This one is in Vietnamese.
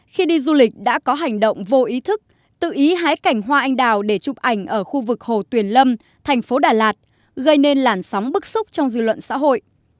khi đi du lịch đã có hành động vô ý thức tự ý hái cảnh hoa anh đào để chụp ảnh ở khu vực hồ tuyền lâm thành phố đà lạt gây nên làn sóng bức xúc trong dư luận xã hội